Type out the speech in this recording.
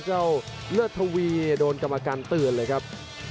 เลิศทวีโดนกรรมการเตือนเลยครับ